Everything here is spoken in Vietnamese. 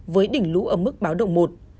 với đỉnh lũ ở mức báo động một